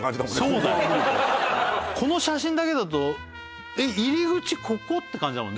これを見るとこの写真だけだと「えっ入り口ここ？」って感じだもんね